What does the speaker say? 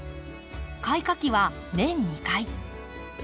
開花期は年２回。